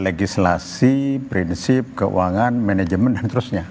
legislasi prinsip keuangan manajemen dan terusnya